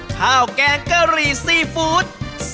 ๑ข้าวแกงกะหรี่ซีฟู้ด